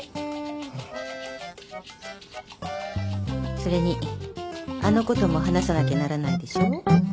それにあのことも話さなきゃならないでしょ？